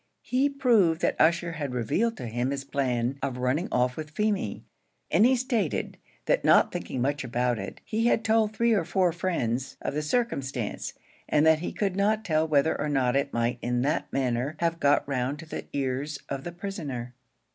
He proved that Ussher had revealed to him his plan of running off with Feemy, and he stated, that not thinking much about it, he had told three or four friends of the circumstance, and that he could not tell whether or not it might in that manner have got round to the ears of the prisoner.